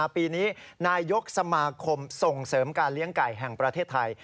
ปีนี้นายกสมาคมส่งเสริมการเลี้ยงไก่แห่งประเทศไทย